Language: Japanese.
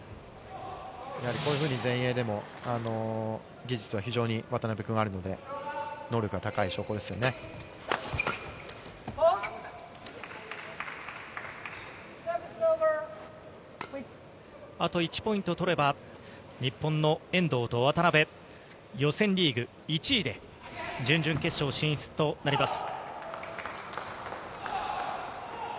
やはりこういうふうに前衛でも、技術は非常に渡辺君はあるので、あと１ポイント取れば、日本の遠藤と渡辺、予選リーグ１位で、準々決勝進出となります。